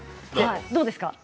どうですか。